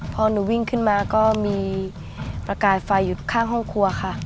พอหนูวิ่งขึ้นมาก็มีประกายไฟอยู่ข้างห้องครัวค่ะ